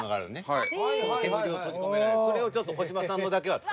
はい。